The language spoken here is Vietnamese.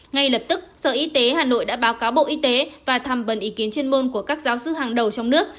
ngay lập tức sở y tế hà nội đã báo cáo bộ y tế và tham vấn ý kiến chuyên môn của các giáo sư hàng đầu trong nước